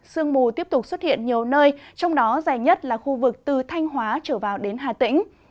sương mù tiếp tục xuất hiện nhiều nơi trong đó dài nhất là khu vực từ thanh hóa trở vào đến hà tĩnh